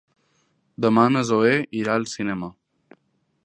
Demà na Zoè irà al cinema.